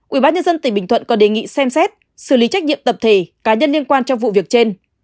ubnd tỉnh bình thuận còn đề nghị xem xét xử lý trách nhiệm tập thể cá nhân liên quan trong vụ việc trên